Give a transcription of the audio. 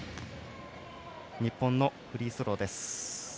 日本のフリースローです。